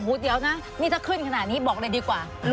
เดี๋ยวนะนี่ถ้าขึ้นขนาดนี้บอกเลยดีกว่า